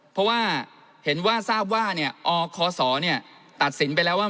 เพราะว่าเห็นว่าทราบว่าอคศตัดสินไปแล้วว่า